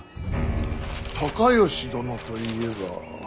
高能殿といえば。